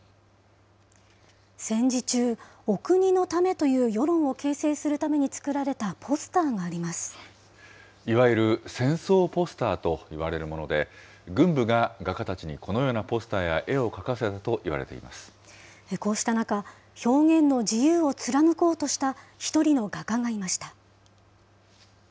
戦時中、お国のためという世論を形成するために作られたポスターがありまいわゆる戦争ポスターといわれるもので、軍部が画家たちに、このようなポスターや絵を描かせこうした中、表現の自由を貫こうとした、１人の画家がいました。